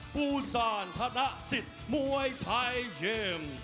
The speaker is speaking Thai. ภูซานธนสิทธิ์มวยไทยเชม